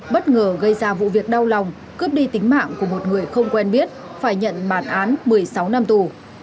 bất ngờ gây ra vụ việc đau lòng cướp đi tính mạng của một người không quen biết phải nhận bản án một mươi sáu năm tù